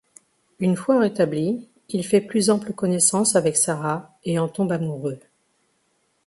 Une fois rétabli, il fait plus ample connaissance avec Sarah et en tombe amoureux.